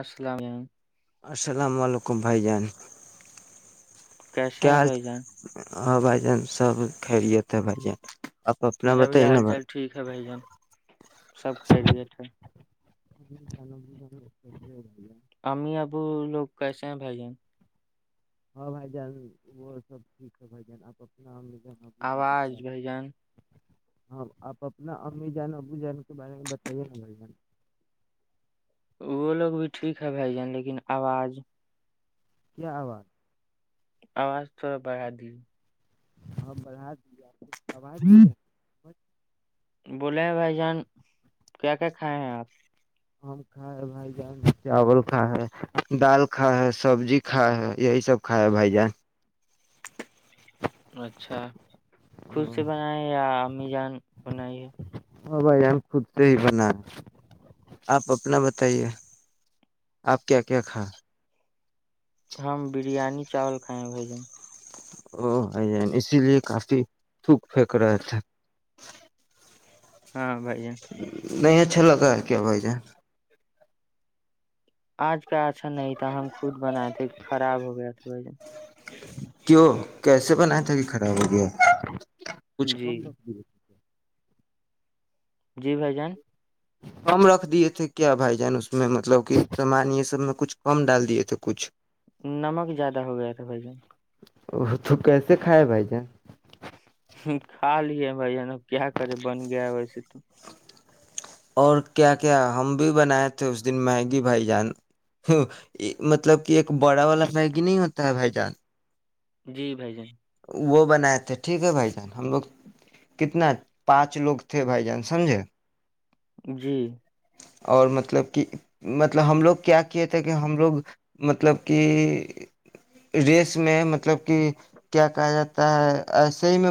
السلام علیکم السلام علیکم بھائی جان کیسے ہیں بھائی جان ہ بھجن سب کلیے تے بھجن میرا بھی حال چال ٹھیک ہے بھائی جن سب کھہ رہیے تھ [unintelligible] ہمیں ابو لوگ گس ہیں بھائی جین ہاں بائی جان وہ سب بائی جان آپ اپنا جان ابو جان کے آواز بارے بھائی جان ہاں آپ اپنا امی جان ابو جان کے بارے میں بتائیے نا بھ وہ لوگ بھی ٹھیک ہے بھائی جان لیکن آواز کیا آواز آواز توڑا بگا دی ہاں برہ ج آپ آواز بھی بچ بولے ہیں بھائی جان کیا کیا کھائے ہیں آپ اور کھ بھائی جان چاول کھ ہ دال کھ ہ سبزی کھ ہ یہی سب کھ ہ بھائی جان اچھا خود سے ہاں بنائے یا امی جان بنائی ہے ہاں بھائی ہم خود سے ہی بنا آپ اپنا بتائیے آپ کیا کیا کھا ہم بریانی چاول کھائے بھائی جن او اسی لیے کافی تھوک پھیک رہے تھے ہاں بھائی جان نہیں ہے اچھا لگا کیا ہو ج آج پ اچھا نہیں تھا ہم خود بنائے تھے خراب ہو گیا تھا [unintelligible] کیوں کیسے بنایا تھا کہ خراب ہو گیا کچھ جی کم ب جی بھائیجان کم رکھ دیے تھے کیا بھائی جان اس میں مطلب کہ سامان یہ سب میں کچھ کم ڈال دیے تھے کچھ نمک زیادہ ہو گیا تھا بھائی جان وہ تو کیسے کائے بھائی جان کھاالی ہے بھائی یہ کیا کرے بن گیا ویسے تو اور کیا کیا ہم بھی بنائے تھے اس دن میگی بھائی جان مطلب کہ ایک بڑا والا میگی نہیں ہوتا ہے بھائی جان جی بھائی جن وہ بنائے تھے ٹھیک ہے بھائی جان ہم لوگ کتنا پانچ لوگ تھے بھائی جان سمجھے جی اور مطلب کہ مطلب ہم لوگ کیا کیے تھے کہ ہم لوگ مطلب کہ ریس میں مطلب کہ کیا کہا جاتا ہے ایسے ہی میں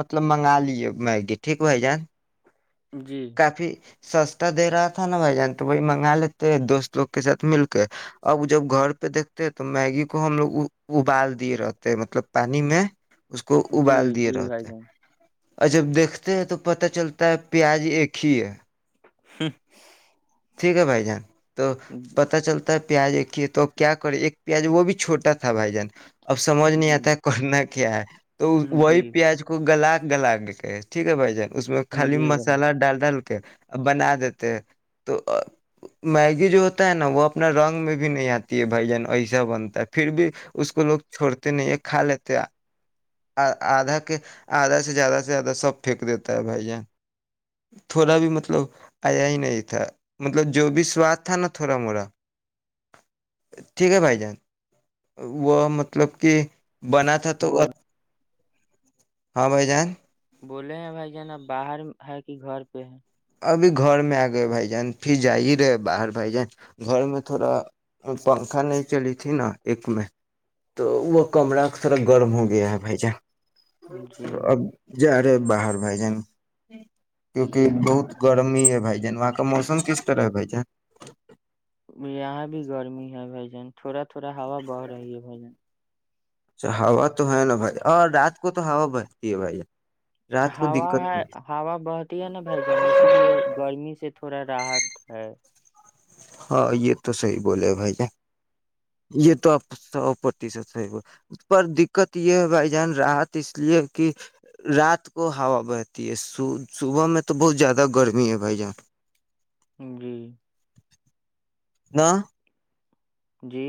مطلب منگا لیے میگی ٹھیک بھائی جان جی کافی سستا دے رہا تھا نا بھائی جان تو وہی منگا لیتے ہیں دوست لوگ کے ساتھ مل کے اب جب گھر پہ دیکھتے تو میگی کو ہم لوگ ابال دیے رہتے مطلب پانی میں اس کو جی ابال دیے جی بھائی رہتے ہیں جان اور جب دیکھتے ہیں تو پتا چلتا ہے پیار ج ایک ہی ہے [unintelligible] ٹھیک ہے بھائی جان تو پتہ چلتا پیاز ایکھیے تو کیا کریں ایک پیاز وہ بھی چھوٹا تھا بھائی جان اب سمجھ نہیں جی آتا ہے کرنا کیا ہے تو جی وہی پیاز کو گلا گلاگ ہے ٹھیک ہے بائی جان اس میں خالی جی بھائی مسالہ ڈال ڈال ا بنا دیتے تو میگی جو ہوتا ہے نا وہ اپنا رنگ میں بھی نہیں آتی ہے بھائی جان ایسا بنتا ہے پھر بھی اس کو لوگ چھوڑتے نہیں ہے کھا لیتے آدھا کے آدھا سے زیادہ سے زیادہ سب پھینک دیتا ہے بھائی جان تھوڑا بھی مطلب آیا ہی نہیں تھا مطلب جو بھی سواد تھا نا تھوڑا مورا ٹھیک ہے بھائی جان وہ مطلب کہ بنا تھا تو ہاں بھائی جان بولے ہیں بھائی ج نا باہر ہے کہ گھر پہ ہے ابھی گھر میں آ گئے بھائی جان پھر جا ہی رہے باہر بھائی جان گھر میں تھوڑا پنکھا نہیں چلی تھی نا ایک میں تو وہ کمرہ تھوڑا گرم ہو گیا ہے بھائی جان جی اب ج رہے باہر بائ جائیں کیونکہ بہت گرمی ہے بھائی جان وہاں کا موسم کس طرح ہے بھائی جان یہاں بھی گرمی بھائی جان تھوڑا پورا ہا بہ رہی ہے بھائی جن اچھا ہوا تو ہے نا بھائی اور رات کو تو ہوا بچتی ہے بھائی رات کو ہا دقت ہے نہیں ہا بہتی ہی ہے نا بھائی جان اسی لیے گرمی سے تھ تھڑا راحت ہے ہاں یہ تو صحیح بولے بھائی جان یہ تو اب سو پرتیشت صحیح ب پر دقت یہ ہے بھائی جان رات اس لیے کہ رات کو ہوا بہتی ہے صبح میں تو بہت زیادہ گرمی ہے بھائی جان [unintelligible] نہ جی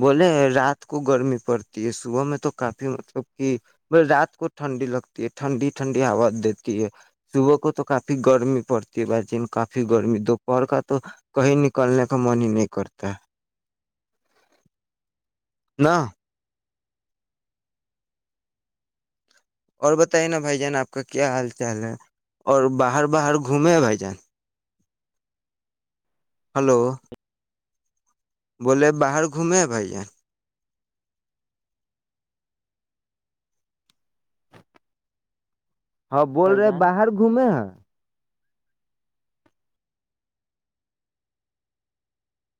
بولے رات کو گرمی پڑتی ہے صبح میں تو کافی مطلب کہ ب رات کو ٹھنڈی لگتی ہے ٹھنڈی ٹھنڈی آواز دیتی ہے صبح کو تو کافی گرمی پڑتی ہے بھ جین کافی گرمی دوپہر کا تو کہیں نکلنے کا من ہی نہیں کرتا ہے نہ اور بتے نا بھائی جان آپ کا کیا حال چال ہے اور باہر باہر گھومے ہیں بھائی جان ہلو بولے باہر گھومے بھائییا ہاں بول بھائی رہے جان باہر گھومے ہیں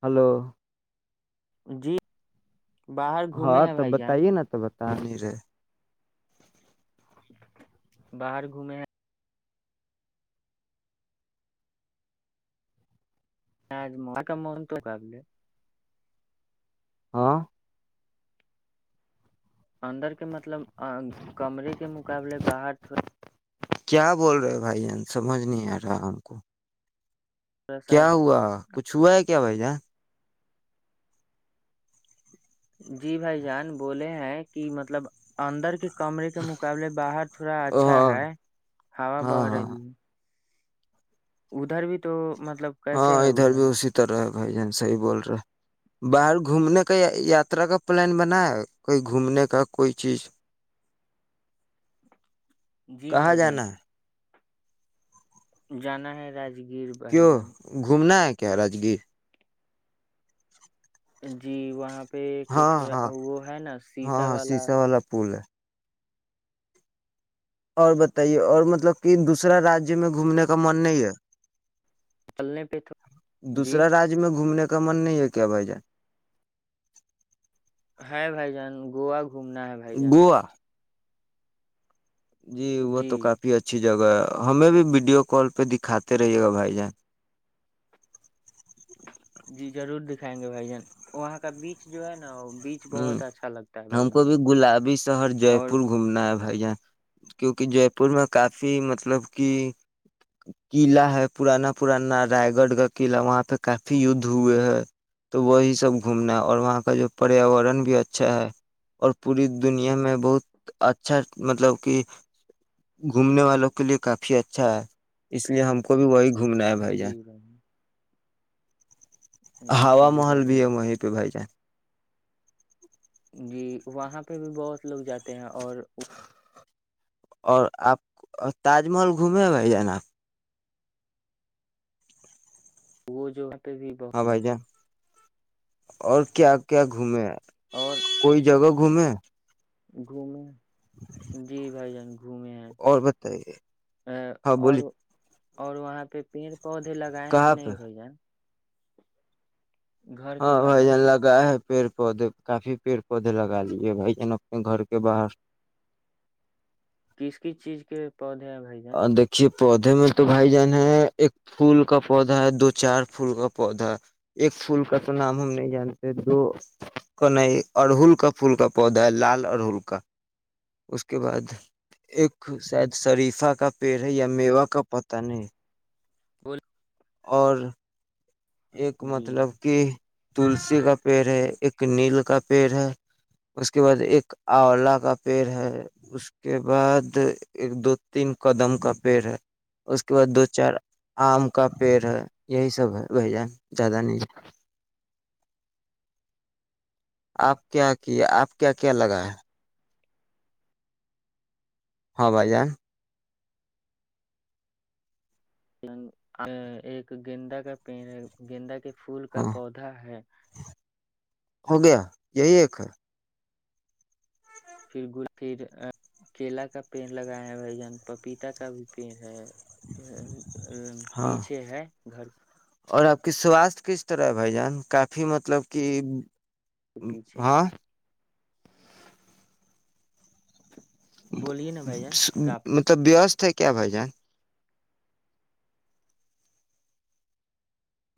ہلو جی باہر گھومے ہاں ہیں تو بھائی جان بتائیے نا تو بتا ٹانیے باہر گھومے ہیں ج کا مون تو کاابل ہاں اندر کے مطلب کمرے کے مقابلے باہر تھ کیا بول رہے بھائی جان سمجھ نہیں آ رہا ہم کو سا کیا ہوا کچھ ہوا ہے کیا بھائی جان جی بھائی جان بولے ہیں کہ مطلب اندر کے کمرے کے مقابلے باہر تھوڑا اچھا ہاں ہے ہا ہاں بہ ہاں رہی ہے ادھر بھی تو مب ہاں ادھر بھی اسی طرح ہے بھائی جان صحیح بول رہا باہر گھومنے کا یاترا کا پلان بنا ہے کوئی گھومنے کا کوئی چیز جی کہاں بھائی جان جانا ہے جانا ہے راجگ کیوں گھومنا ہے کیاراج گ جی وہاں پہ ایک ہاں تھوڑا ہاں وہ ہے نا ہاں سیسا ہاں والا شیشا پل ہے اور بتائیے اور مطلب کہ دوسرا رجیہ میں گھومنے کا من نہیں ہے چلنے پہ تھو- جی دوسرا رج میں گھومنے کا کا من نہیں ہے کیا بھائی جان ہاں بھائی جان گوو گھومنا ہے بھائی جان جی وہ تو کافی اچھی جگہ ہمیں بھی ویڈیو کال پہ دکھاتے رہیے گا بھائی جان جی ضرور دکھائیں گے بھائی جان وہاں کا بیچ جو ہے نا بیچ ہ بہت اچھا لگتا ہے ہم بھائی جان کو بھی گلابی شہر جے اور پور گھومنا ہے یہ کیوںکہ جے پور میں کافی مطلب کہ قلع ہے پرانا پرانا رائے گڑھ کا قلعہ وہاں پہ کافی یدھ ہوئے ہے تو وہی سب گھومنا اور وہاں کا جو پریاورن بھی اچھا ہے اور پوری دنیا میں بہت اچھا مطلب کہ گھومنے والوں کے لیے کافی اچھا ہے اس لیے ہم کو بھی وہی گھومنا بائی جان جی بھائی ہم ہا صحیح محل بول رہے بھی ہیں ہے بھائی وہیں پہ بھائی جان جی وہاں پہ بھی بہت لوگ جاتے ہیں اور اور آپ تاج محل گھومے بھائی جانب وہ جو بھی ہاں بق ج بھائی جان اور کیا کیا گھومے اور کوئی جگہ گھومیں [inaudible] جی بھائی جان گھومے ہیں اور بتائیے اے، ہاں اور بولی اور [unintelligible] [unintelligible] پودے لگائے ہیں کہ کہاں پہ نہیں بائی جان گھر کے ہاں بائی باہر جان ل گا ہے پیڑ پودے کافی پیڑ پودے لگا لیے بھائی جن اپنے گھر کے باہر کس کس چیز کے پودے ہیں بھائی جان ہ دیکھیے پودے میں تو بھائی جان ہے ایک پھول کا پودا ہے دو چار پھول کا پودا ایک پھول کا تو نام ہم نہیں جانتے دو کا نہیں ارہل کا پھول کا پودا ہے لال ارہل کا اس کے بعد ایک شاید شریفہ کا پیڑ ہے یا میوا کا پت نہیں [unintelligible] اور ایک جی مطلب کہ تلسی کا پیڑ ہے ایک نیل کا پیڑ ہے اس کے بعد ایک آولا کا پیڑ ہے اس کے بعد ایک دو تین قدم کا پیڑ ہے اس کے بعد دو چار آم کا پیڑ ہے یہی سب ہے بی جان زیادہ نہیں ہے آپ کیا کیا آپ کیا کیا لگا ہے؟ ہاں بھ جان [unintelligible] پھول کا ہاں پودا ہے ہو گیا یہی ایک ہے [unintelligible] پھر گ پھر کیلا کا پیڑ لگایا ہیں بھ جان پپیتا کا بھی پیڑ ہے ہاں [unintelligible] اور آپ کی سواستھ کس طرح ہے بھائی جان کافی مطلب کہ پیچھے ہاں [unintelligible] بولیے نا بھائی جان کافی مطلب بیست ہے [unintelligible] کیا بھائی جان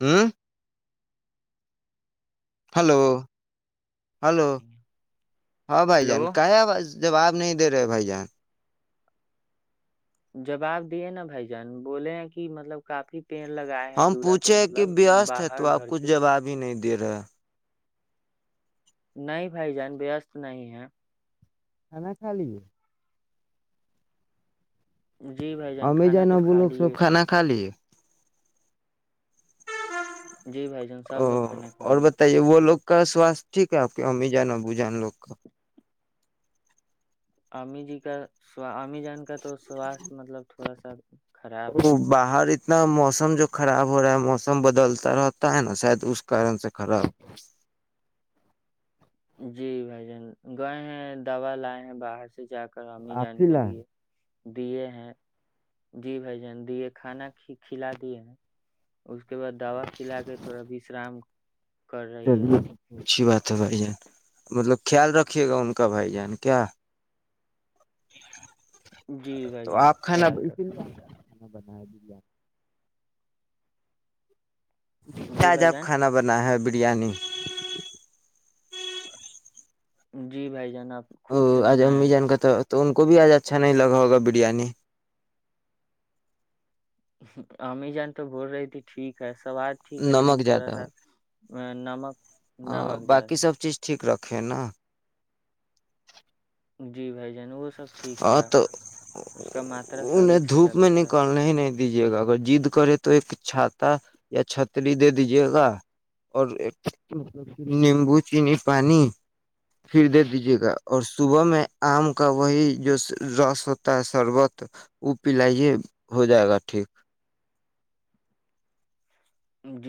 ہوں [unintelligible] ہلو ہلو ہاں بھائی ہلو جان کا آواز جواب نہیں دے رہے بھائی جان جواب دیے نا بھائی جان بولے ہیں کہ مطلب کافی پیڑ لگائے ہیں ہم دورا پہ پوچھے ہیں کہ مطلب وست ہے تو باہر آپ گھر کچھ کے جواب ہی نہیں د دیرہ نہیں بھائی جان بیستست نہیں ہے کانا کا لی جی بھائی جان ہممیں جائ کھانا ن تو کھا بولولوک سب لیے کھانا خالی جی بھائی جان سب او لوگ کھانا کھا اور لیے بتائیے وہ لوگ کا سوستھ ٹھیک ہے آپ کے امی جان ابو جان لوگ کا [unintelligible] [unintelligible] تھوڑا سا [unintelligible] ہے وہ باہر اتنا موسم جو خراب ہو رہا ہے موسم بدلتا رہتا ہے نا شاید اس کارن سے خراب جی بھائی جان گئے ہیں دوا لائے ہیں باہر سے جا کر کرامی جان کے آفیلا ہے لیے [unintelligible] دیے ہیں جی بھائی جان دیے کھانا ک کھلا دیے ہیں اس کے بعد دوا کھلا کے تھوڑا وشرام کر رہی ہے چلیے اچھی بات اچھا بھائی جان مطلب خیال رکھیے گا ان کا بھائی جان کیا جی بھائی تو جان آپ کھانا خیال اسی لیے رکھیں [inaudible] جی آج بھائی آپ جان کھانا بنا ہے اب بریانی جی بھائی جان آپ او خود سے آ بنائے امی ہیں جان کا تو تو ان کو بھی آج اچھا نہیں لگا ہوگا بریانی ہمیں جان تو بول رہی تھی ٹیک ہے سواد ٹھیک ہے لیکن نمک تھوڑا سا ا نمک ہ نمک باقی زیادہ سب چیز ٹھیک رکھ کھناا [unintelligible] جی بھائی جی وہ سب ٹھیک ہاں تھا تو اس کا ماترا صحیح سے جلا تھا دیجے گا اگر جد کرے تو ایک چھاتا یا چھتری دے دیجیے گا اور نیمبو چینی پانی پھر دے دیجے گا اور صبح میں آم کا وہی جو رس ہوتا ہے شربت وہ پلاائیے ہو جائے گا ٹھیک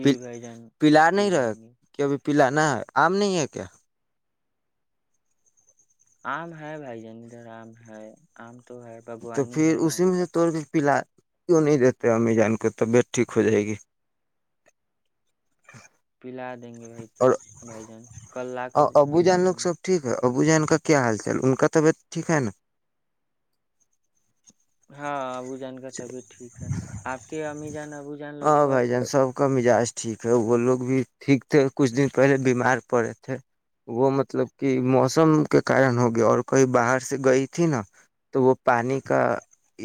پ بھائی جان پلا نہیں رہا پلائیں گے کیبھی پلا نہا آم نہیں ہے کیا آم ہے بھائی جانیدھر آم ہے آم تو پھر اسی میں سے توڑ کے پلا کیوں نہیں دیتے امی جان کو طبیعت ٹھیک ہو جائے گی [inaudible] دیں گے بھائی اور بھائی جان ک [unintelligible] ابو جانو سب ٹھیک ہے ابو جان کا کیا حال چال ان کا طبیعت ٹھیک ہے نا [unintelligible] ان کا طبیعت ٹھیک ہے اپ کی امی جان ابو جان لو ہاں بھائی جان سب کا مزاج ٹھیک ہے وہ لوگ بھی ٹھیک تھے کچھ دن پہلے بیمار پڑے تھے وہ مطلب کہ موسم کے کارن ہو گیا اور کہیں باہر سے گئی تھی نا تو وہ پانی کا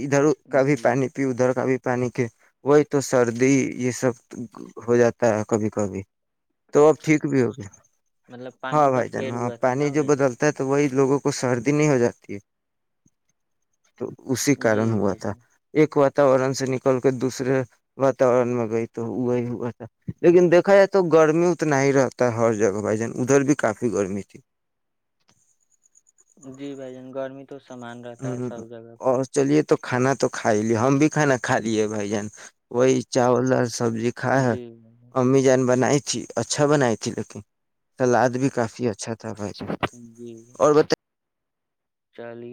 ادھر [unintelligible] کوئی تو سردی یہ سب ہو جاتا ہے کبھی کبھی تو اب ٹھیک بھی ہو گیا ہاں بھائی جان پانی جو بدلتا ہے تو وہی لوگوں کو سردی نہیں ہو جاتی ہے تو اسی کا رن ہوا تھا ایک واتاورن سے نکل کے دوسرے واتاورن میں گئی تو ہو ہی ہوا تھا لیکن دیکھا جائے تو گرمی اتنا ہی رہتا ہر جگہ بھائی جان ادھر بھی کافی گرمی تھی جی بھ جان گرمی تو سامان رہتا ہے سب جگہ پہ اور چلیے تو کھانا تو کھا لیا ہم بھی کھانا کھا لیے بھائی جان وہی چاول اور سبزی کائے ہے امی جان بنائی اچھا بنائی تھی لیکن سلاد بھی کافی اچھا [unintelligible] [unintelligible]